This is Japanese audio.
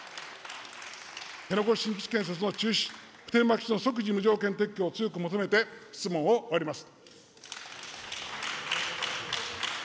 辺野古新基地建設の中止、普天間基地の即時無条件撤去を強く求めて質問を終わります。